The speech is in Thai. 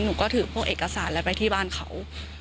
หนูก็ถือพวกเอกสารแล้วไปที่บ้านเขา